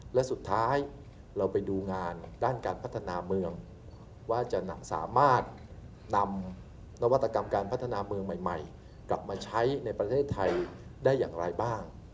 และสุดท้ายเราไปดูงานด้านการพัฒนาเมืองว่าจะสามารถนำนวัตกรรมการพัฒนาเมืองใหม่กลับมาใช้ในประเทศไทยได้อย่างไรบ้าง